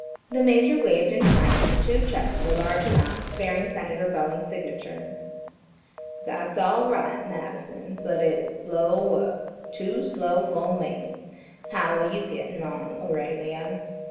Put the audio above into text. The Major waved in triumph two checks for large amounts, bearing Senator Bowen's signature. "That's all right, Madison, but it is slow work–too slow for me. How are you getting on, Aurelia?"